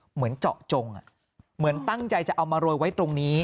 เหมือนเจาะจงเหมือนตั้งใจจะเอามาโรยไว้ตรงนี้